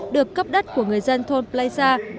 được cấp đất của người dân thôn pleisa